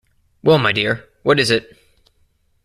Well, my dear, what is it?